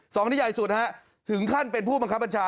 สองที่ใหญ่สุดฮะถึงขั้นเป็นผู้บังคับบัญชา